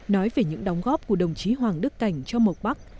nói về những đóng góp của đồng chí hoàng đức cảnh cho mộc bắc